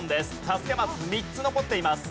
助けマス３つ残っています。